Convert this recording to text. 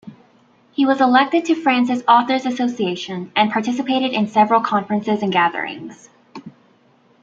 He was elected to France's Authors' Association, and participated in several conferences and gatherings.